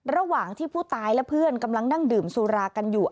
ระหว่างที่ผู้ตายและเพื่อนกำลังนั่งดื่มสุรากันอยู่